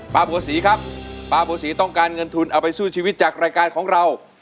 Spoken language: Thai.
บัวศรีครับป้าบัวศรีต้องการเงินทุนเอาไปสู้ชีวิตจากรายการของเรา